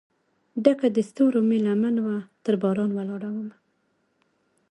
ډکه دستورومې لمن وه ترباران ولاړ مه